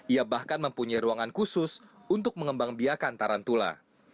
ia bahkan mempunyai ruangan khusus untuk mengembang biakan tarantula